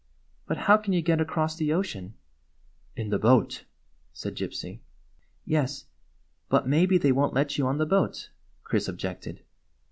" But how can you get across the ocean ?"" In the boat/' said Gypsy. " Yes, but maybe they won't let you on the boat," Chris objected.